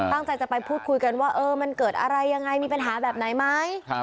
ตั้งใจจะไปพูดคุยกันว่ามันเกิดอะไรยังไงมีปัญหาแบบไหนไหม